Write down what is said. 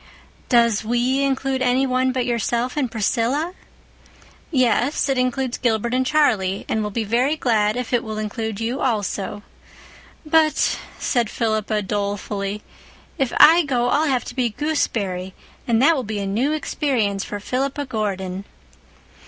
"Does 'we' include any one but yourself and Priscilla?" "Yes, it includes Gilbert and Charlie, and we'll be very glad if it will include you, also." "But," said Philippa dolefully, "if I go I'll have to be gooseberry, and that will be a new experience for Philippa Gordon."